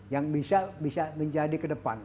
yang bisa menjadi kedepan